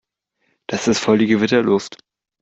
Das ist voll die Gewitterluft.